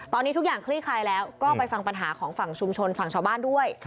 ตอนนี้ทุกอย่างคลี่คลายแล้วก็ไปฟังปัญหาของฝั่งชุมชนฝั่งชาวบ้านด้วย